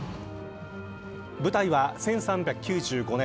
舞台は１３９５年